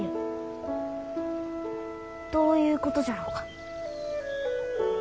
どういうことじゃろうか？